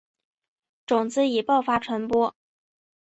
种子以爆发传播。